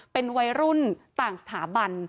เป็นวัยรุ่นต่างสถาบัน